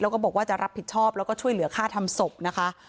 แล้วก็บอกว่าจะรับผิดชอบแล้วก็ช่วยเหลือค่าทำศพนะคะ